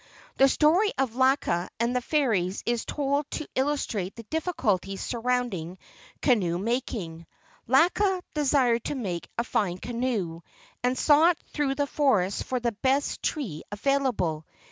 The story of Laka and the fairies is told tc illustrate the difficulties surrounding canoe¬ making. Laka desired to make a fine canoe, and sought through the forests for the best tree available.